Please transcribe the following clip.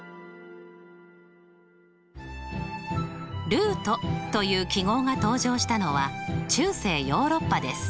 ルートという記号が登場したのは中世ヨーロッパです。